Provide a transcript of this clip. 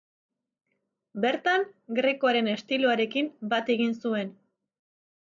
Bertan Grekoaren estiloarekin bat egin zuen.